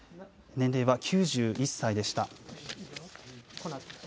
年齢は９１歳でした。